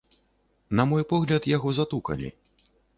На мой погляд, яго затукалі.